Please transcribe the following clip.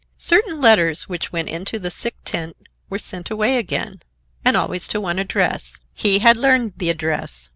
Certain letters which went into the sick tent were sent away again, and always to one address. He had learned the address.